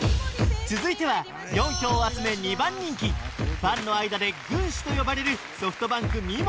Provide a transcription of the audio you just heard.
続いては４票を集め２番人気ファンの間で軍師と呼ばれるソフトバンク・三森